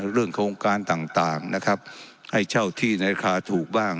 เรื่องโครงการต่างต่างนะครับให้เช่าที่ในราคาถูกบ้าง